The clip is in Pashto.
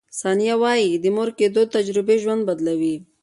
ثانیه وايي، د مور کیدو تجربې ژوند بدلوي.